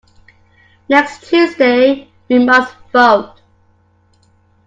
Next Tuesday we must vote.